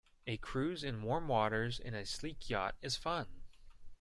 A cruise in warm waters in a sleek yacht is fun.